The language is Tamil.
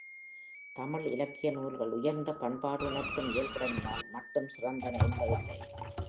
தமிழ் இலக்கிய நூல்கள் உயர்ந்த பண்பாடுணர்த்தும் இயல்புடைமையால் மட்டும் சிறந்தன என்பதில்லை.